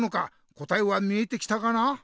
答えは見えてきたかな？